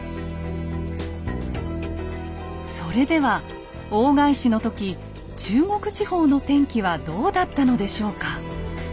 それでは大返しの時中国地方の天気はどうだったのでしょうか。